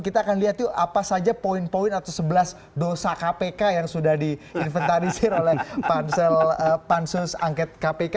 kita akan lihat yuk apa saja poin poin atau sebelas dosa kpk yang sudah diinventarisir oleh pansel pansus angket kpk